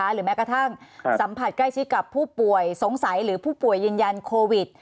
หรือแม้กระทั่งสัมผัสใกล้ชิดกับผู้ป่วยสงสัยหรือผู้ป่วยยืนยันโควิด